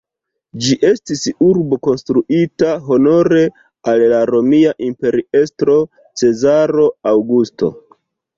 Ĝi estis urbo konstruita honore al la romia imperiestro Cezaro Aŭgusto.